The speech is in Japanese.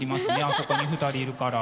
あそこに２人いるから。